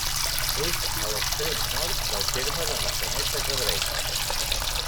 És a l'extrem nord del terme de Maçanet de Cabrenys.